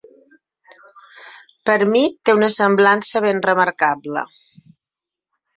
Per a mi té una semblança ben remarcable.